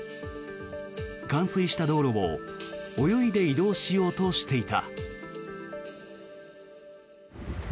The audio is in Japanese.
冠水した道路を泳いで移動しようとしていた。